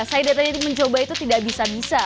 saya dari tadi mencoba itu tidak bisa bisa